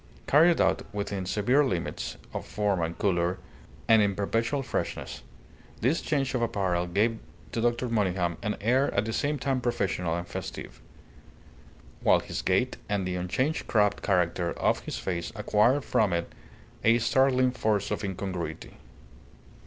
Carried out within severe limits of form and colour, and in perpetual freshness, this change of apparel gave to Dr. Monygham an air at the same time professional and festive; while his gait and the unchanged crabbed character of his face acquired from it a startling force of incongruity.